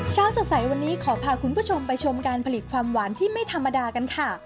เช้าสดใสวันนี้ขอพาคุณผู้ชมไปชมการผลิตความหวานที่ไม่ธรรมดากันค่ะ